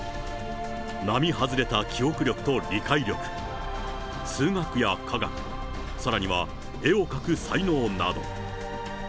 並外れた記憶力と理解力、数学や科学、さらには絵を描く才能など。